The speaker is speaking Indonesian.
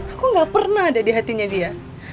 aku gak pernah ada di hatinya dia